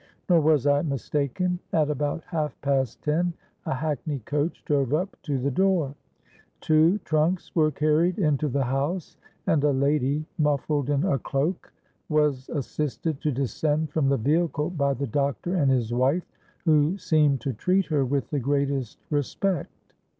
Nor was I mistaken. At about half past ten a hackney coach drove up to the door: two trunks were carried into the house, and a lady, muffled in a cloak, was assisted to descend from the vehicle by the doctor and his wife, who seemed to treat her with the greatest respect.